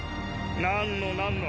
何の何の！